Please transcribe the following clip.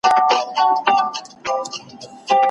استاد د ليکني دقت زیاتوي.